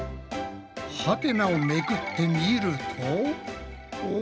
ハテナをめくってみるとお！